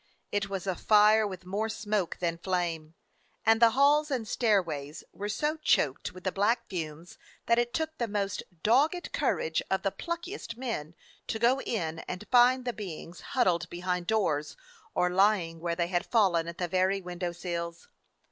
It was a fire with more smoke than flame, and the halls and stairways were so choked 263 DOG HEROES OF MANY LANDS with the black fumes that it took the most dog ged courage of the pluckiest men to go in and find the beings huddled behind doors, or lying where they had fallen at the very window sills.